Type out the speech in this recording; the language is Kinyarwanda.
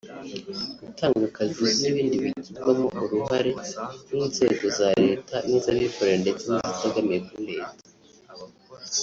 gutanga akazi n’ibindi bigirwamo uruhare n’inzego za Leta niz’abikorera ndetse n’izitegamiye kuri Leta